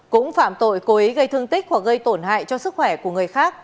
cũng phạm tội cô ấy gây thương tích hoặc gây tổn hại cho sức khỏe của người khác